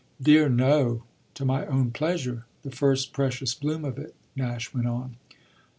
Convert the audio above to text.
"Dear no, to my own pleasure, the first precious bloom of it," Nash went on.